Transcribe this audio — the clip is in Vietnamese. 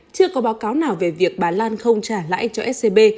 chưa có báo cáo nào về việc bà lan không trả lãi cho scb